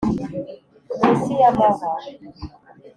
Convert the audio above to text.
munsi y'amahwa